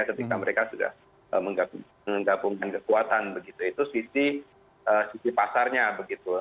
ketika mereka sudah menggabungkan kekuatan begitu itu sisi pasarnya begitu